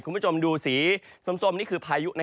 คุณผู้ชมดูสีส้มนี่คือพายุ